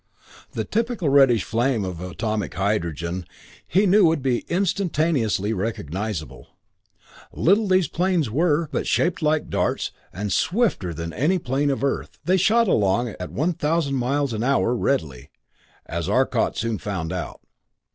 The typical reddish flame of atomic hydrogen, he knew, would be instantaneously recognizable. Little these planes were, but shaped like darts, and swifter than any plane of Earth. They shot along at 1000 miles an hour readily, as Arcot soon found out.